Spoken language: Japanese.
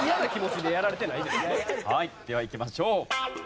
ではいきましょう。